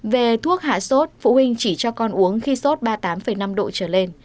về thuốc hạ sốt phụ huynh chỉ cho con uống khi sốt ba mươi tám năm độ trở lên